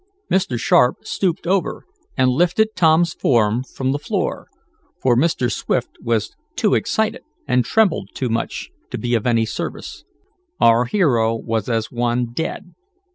Mr. Sharp stooped over and lifted Tom's form from the floor, for Mr. Swift was too excited and trembled too much to be of any service. Our hero was as one dead.